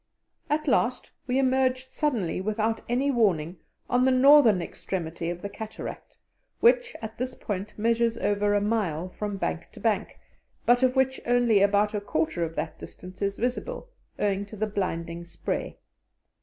At last we emerged suddenly, without any warning, on the northern extremity of the cataract, which at this point measures over a mile from bank to bank, but of which only about a quarter of that distance is visible, owing to the blinding spray.